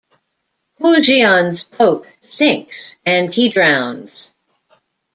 Hou Jian's boat sinks and he drowns.